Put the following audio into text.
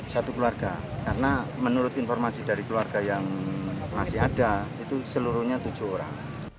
satu keluarga karena menurut informasi dari keluarga yang masih ada itu seluruhnya tujuh orang